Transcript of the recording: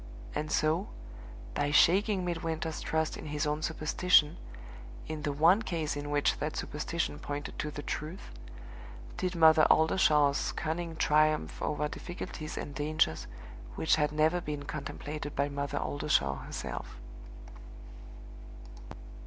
And so by shaking Midwinter's trust in his own superstition, in the one case in which that superstition pointed to the truth did Mother Oldershaw's cunning triumph over difficulties and dangers which had never been contemplated by Mother Oldershaw herself.